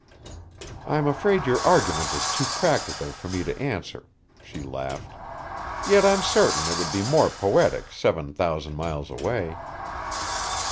"I'm afraid your argument is too practical for me to answer," she laughed. "Yet I'm certain it would be more poetic seven thousand miles away."